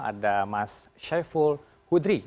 ada mas saiful hudri